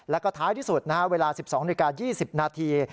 แล้วก็ท้ายที่สุดเวลา๑๒นาฬิกา๒๐นาที